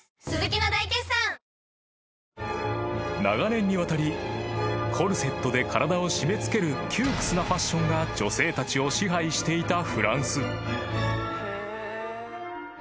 ［長年にわたりコルセットで体を締め付ける窮屈なファッションが女性たちを支配していたフランス］